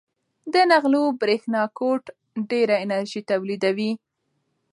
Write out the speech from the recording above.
د نغلو برېښنا کوټ ډېره انرژي تولیدوي.